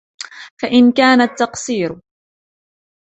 فَإِنْ كَانَ التَّقْصِيرُ